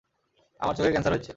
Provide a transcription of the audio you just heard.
আমার চোখে ক্যান্সার হয়েছে।